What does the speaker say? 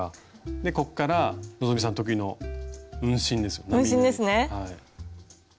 でこっから希さん得意の運針ですよ。